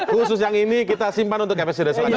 khusus yang ini kita simpan untuk episode selanjutnya